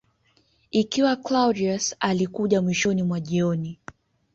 Ikiwa Claudius alikuja mwishoni mwa jioni